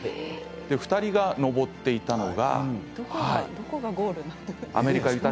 ２人が登っていたのは。